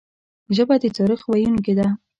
ژبه د تاریخ ویونکي ده